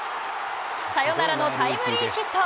サヨナラのタイムリーヒット。